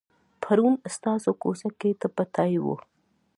پرون ستاسو کوڅه کې ټپه ټایي وه.